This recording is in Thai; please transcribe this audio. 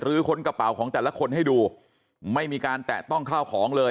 ค้นกระเป๋าของแต่ละคนให้ดูไม่มีการแตะต้องเข้าของเลย